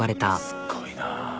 すっごいな。